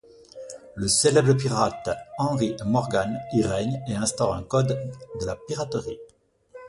Le célèbre pirate Henry Morgan y règne et instaure un code de la piraterie.